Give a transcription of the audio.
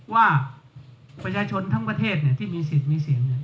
ว่าประชาชนทั้งประเทศที่มีสิทธิ์มีเสียง